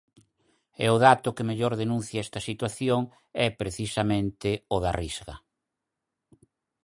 E o dato que mellor denuncia esta situación é precisamente o da Risga.